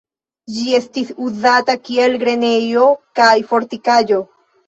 Ĝi estis uzata kiel grenejo kaj fortikaĵo.